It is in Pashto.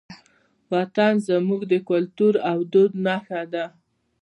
وطن زموږ د کلتور او دود نښه ده.